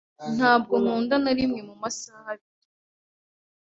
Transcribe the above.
Ntabwo nkunda na rimwe mu masaha abiri.